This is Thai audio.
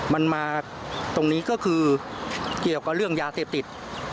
มันมาตรงนี้ก็คือเกี่ยวกับเรื่องยาเสพติด